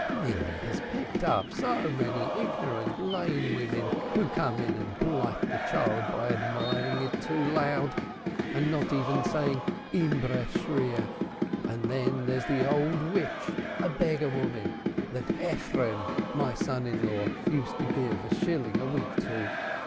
Milly has picked up so many ignorant Lane women who come in and blight the child, by admiring it aloud, not even saying imbeshreer. And then there's an old witch, a beggar woman that Ephraim, my son in law, used to give a shilling a week to.